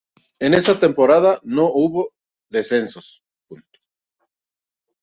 En esta temporada no hubo descensos.